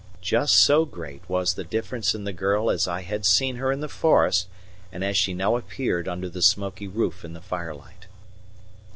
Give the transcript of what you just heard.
Just so great was the difference in the girl as I had seen her in the forest and as she now appeared under the smoky roof in the firelight.